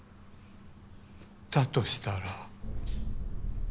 だとしたら。